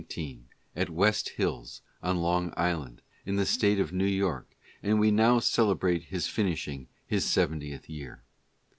1S19, at West Hills, on Long Island, in the State of New York, and we now celebrate his finishing his seventieth year.